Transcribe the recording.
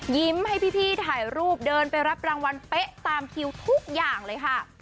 ยิ้มให้พี่ถ่ายรูปเดินไปรับรางวัลเป๊ะตามคิวทุกอย่างเลยค่ะ